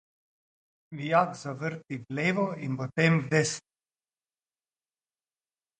Vijak zavrti v levo in potem v desno.